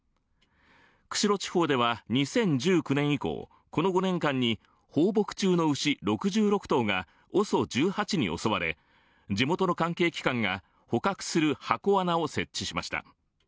釧路地方では２０１９年以降この５年間に放牧中の牛６６頭がＯＳＯ１８に襲われ地元の関係機関が捕獲する箱罠を設置しました